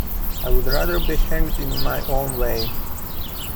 I would rather be hanged in my own way.